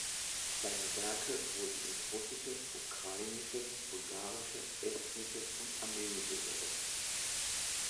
Seine Werke wurden ins Russische, Ukrainische, Bulgarische, Estnische und Armenische übersetzt.